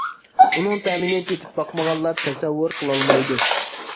ئۇنىڭ تەمىنى تېتىپ باقمىغانلار تەسەۋۋۇر قىلالمايدۇ.